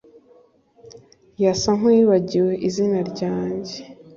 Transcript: Yasa nkuwibagiwe izina ryanjye